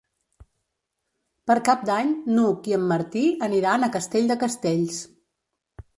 Per Cap d'Any n'Hug i en Martí aniran a Castell de Castells.